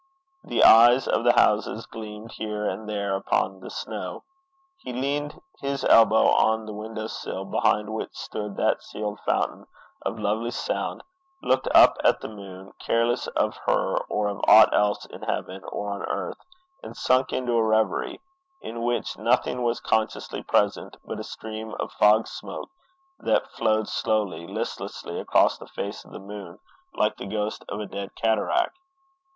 The eyes of the houses gleamed here and there upon the snow. He leaned his elbow on the window sill behind which stood that sealed fountain of lovely sound, looked up at the moon, careless of her or of aught else in heaven or on earth, and sunk into a reverie, in which nothing was consciously present but a stream of fog smoke that flowed slowly, listlessly across the face of the moon, like the ghost of a dead cataract.